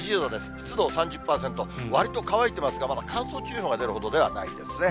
湿度３０％、わりと乾いてますが、まだ乾燥注意報が出るほどではないですね。